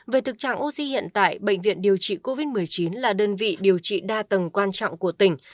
về thực trạng oxy hiện tại bệnh viện điều trị covid một mươi chín là đơn vị điều trị đa tầng quan trọng của tỉnh